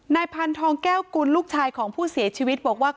พันธองแก้วกุลลูกชายของผู้เสียชีวิตบอกว่า